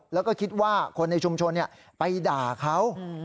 แล้วก็คิดว่าคนในชุมชนไปด่าเขา